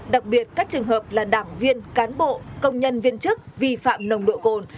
đặc biệt các trường hợp là đảng viên cán bộ công nhân viên chức vi phạm nồng độ cồn